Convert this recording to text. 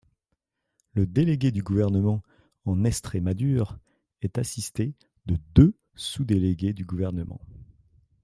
Le délégué du gouvernement en Estrémadure est assisté de deux sous-délégués du gouvernement.